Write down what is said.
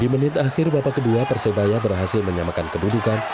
di menit akhir babak kedua persebaya berhasil menyamakan kedudukan